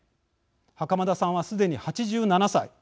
袴田さんはすでに８７歳。